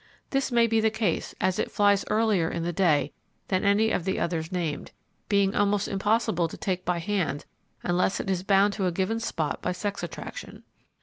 This may be the case, as it flies earlier in the day than any of the others named, being almost impossible to take by hand unless it is bound to a given spot by sex attraction.